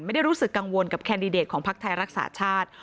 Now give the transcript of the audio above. ไม่ได้รู้สึกกังวลกับแคนดิเดตของพักไทยรักษาชาติ